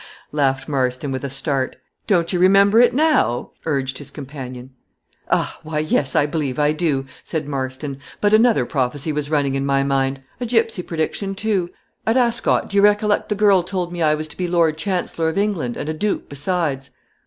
laughed Marston, with a start. "Don't you remember it now?" urged his companion. "Ah, why yes, I believe I do," said Marston; "but another prophecy was running in my mind; a gypsy prediction, too. At Ascot, do you recollect the girl told me I was to be Lord Chancellor of England, and a duke besides?"